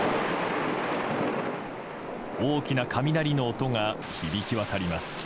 大きな雷の音が響き渡ります。